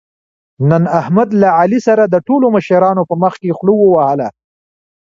نن احمد له علي سره د ټولو مشرانو په مخکې خوله ووهله.